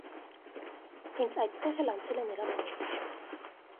Հենց այդտեղ էլ անցել է նրա մանկությունը։